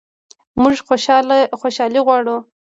موږ خوشحالي غواړو